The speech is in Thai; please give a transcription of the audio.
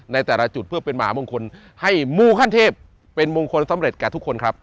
ในแต่ละจุดเพื่อเป็นมหามงคลให้มูขั้นเทพเป็นมงคลสำเร็จแก่ทุกคนครับ